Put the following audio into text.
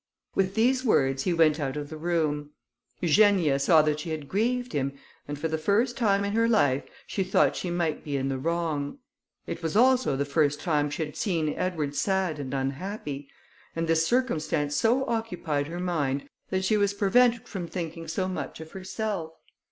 With these words, he went out of the room. Eugenia saw that she had grieved him, and, for the first time in her life, she thought she might be in the wrong. It was, also, the first time she had seen Edward sad and unhappy, and this circumstance so occupied her mind, that she was prevented from thinking so much of herself.